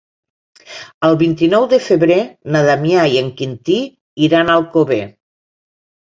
El vint-i-nou de febrer na Damià i en Quintí iran a Alcover.